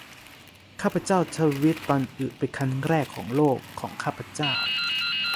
ข้าพเจ้าทวิตตอนอึเป็นครั้งแรกของโลก ของข้าพเจ้า